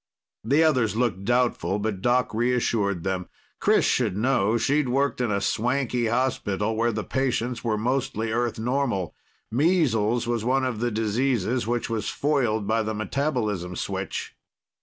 The others looked doubtful, but Doc reassured them. Chris should know; she'd worked in a swanky hospital where the patients were mostly Earth normal. Measles was one of the diseases which was foiled by the metabolism switch.